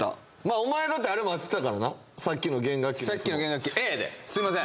お前だってあれも当ててたからなさっきの弦楽器のやつもさっきの弦楽器Ａですいません